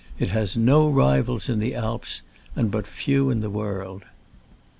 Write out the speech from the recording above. It has no rivals in the Alps, and' but few in the world.